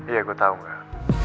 iya gue tau nggak